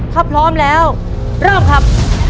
ถ้าพร้อมแล้วเริ่มครับ